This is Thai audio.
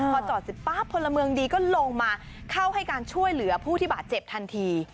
พอจอดเสร็จปั๊บพลเมืองดีก็ลงมาเข้าให้การช่วยเหลือผู้ที่บาดเจ็บทันที